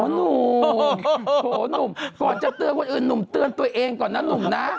หนุ่มโหหนุ่มก่อนจะเตือนคนอื่นหนุ่มเตือนตัวเองก่อนนะหนุ่มนะ